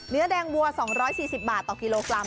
เนื้อแดงวัว๒๔๐บาทต่อกิโลกรัม